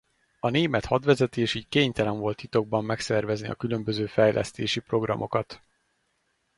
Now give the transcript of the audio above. A német hadvezetés így kénytelen volt titokban megszervezni a különböző fejlesztési-programokat.